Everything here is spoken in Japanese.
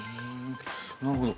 なるほど。